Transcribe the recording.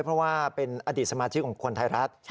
เพราะว่าเป็นอดีตสมาชิกของคนไทยรัฐ